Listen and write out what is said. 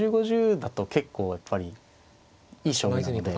５０５０だと結構やっぱりいい勝負なので。